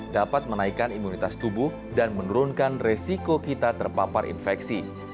dapat menaikkan imunitas tubuh dan menurunkan resiko kita terpapar infeksi